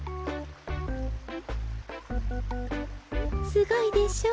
すごいでしょ。